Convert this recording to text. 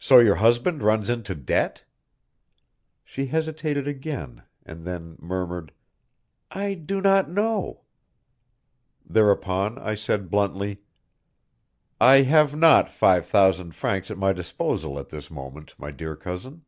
"So your husband runs into debt?" She hesitated again, and then murmured: "I do not know." Thereupon I said bluntly: "I have not five thousand francs at my disposal at this moment, my dear cousin."